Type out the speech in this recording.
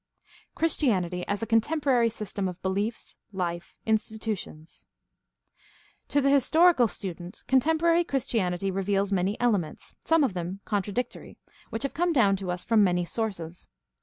Christianity as a contemporary system of beliefs, life, institutions. — To the historical student contemporary Chris tianity reveals many elements, some of them contradictory, which have come down to us from many sources.